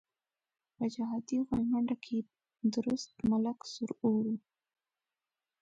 په جهادي غويمنډه کې درست ملک سور اور وو.